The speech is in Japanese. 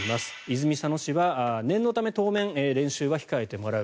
泉佐野市は念のため、当面は練習は控えてもらう。